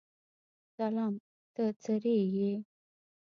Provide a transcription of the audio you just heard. سلام ته څرې یې؟